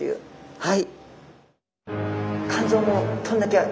はい。